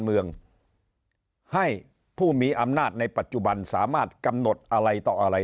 เมืองให้ผู้มีอำนาจในปัจจุบันสามารถกำหนดอะไรต่ออะไร